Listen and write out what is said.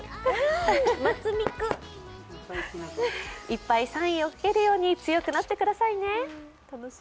いっぱいサインを書けるように強くなってくださいね。